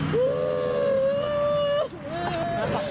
ในย่ายนะ